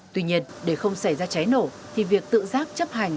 tuy nhiên để không xảy ra cháy nổ thì việc tự giác chấp hành